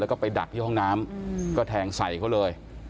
แล้วก็ไปดักที่ห้องน้ำก็แทงใส่เขาเลย